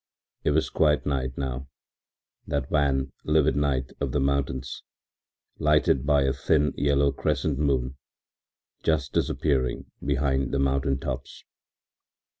It was quite night now, that wan, livid night of the mountains, lighted by a thin, yellow crescent moon, just disappearing behind the mountain tops.